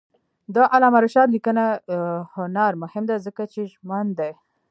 د علامه رشاد لیکنی هنر مهم دی ځکه چې ژمن دی.